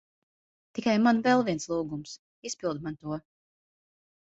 Tikai man vēl viens lūgums. Izpildi man to.